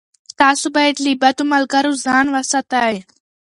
تاسو باید له بدو ملګرو ځان وساتئ.